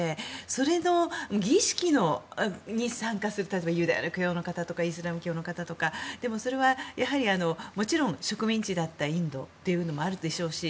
その儀式に参加する例えばユダヤ教の方とかイスラム教の方とかでもそれはもちろん植民地だったインドというのもあるでしょうし。